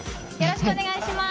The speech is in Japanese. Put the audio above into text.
よろしくお願いします。